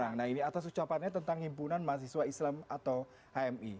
nah ini atas ucapannya tentang himpunan mahasiswa islam atau hmi